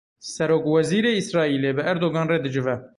Serokwezîrê Îsraîlê bi Erdogan re dicive.